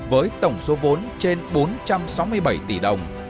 với tổng số vốn trên bốn trăm sáu mươi bảy tỷ đồng